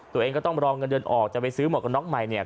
ตัวเองก็ต้องรอเงินเดือนออกจะไปซื้อหมวกกันน็อกใหม่เนี่ย